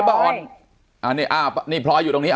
ป้าออนนี่พลอยอยู่ตรงนี้